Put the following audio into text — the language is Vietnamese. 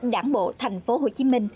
đảng bộ thành phố hồ chí minh